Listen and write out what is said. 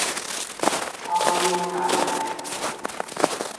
超英趕美